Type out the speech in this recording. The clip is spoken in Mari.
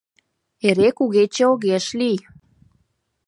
Эре Кугече огеш лий.